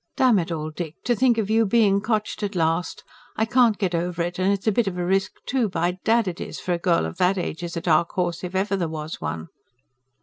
DAMN IT ALL, DICK, TO THINK OF YOU BEING COTCHED AT LAST. I CAN'T GET OVER IT, AND IT'S A BIT OF A RISK, TOO, BY DAD IT IS, FOR A GIRL OF THAT AGE IS A DARK HORSE IF EVER THERE WAS ONE.